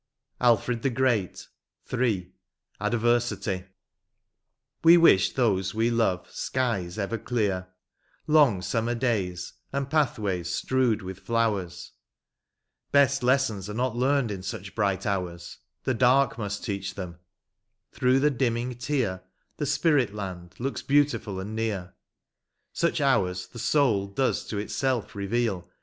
101 L. ALFRED THE GREAT. — III. ADVERSITY. We wish to those we love skies ever clear. Long summer days, and pathways strewed with flowers : Best lessons are not leam'd in such bright hours ; The dark must teach them ; through the dimming tear The spirit land looks beautiful and near; Such hours the soul does to itself reveal.